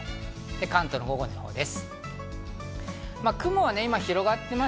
関東の午後の予報です。